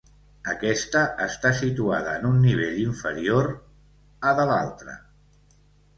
Aquesta està situada en un nivell inferior a de l'altra.